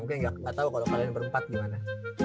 mungkin gak tau kalau kalian berempat gimana